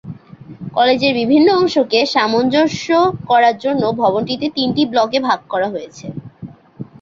কলেজের বিভিন্ন অংশকে সামঞ্জস্য করার জন্য ভবনটিতে তিনটি ব্লকে ভাগ করা হয়েছে।